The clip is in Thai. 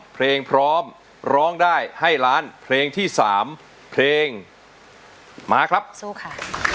เพลงพร้อมร้องได้ให้ล้านเพลงที่สามเพลงมาครับสู้ค่ะ